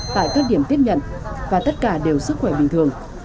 tại các điểm tiếp nhận và tất cả đều sức khỏe bình thường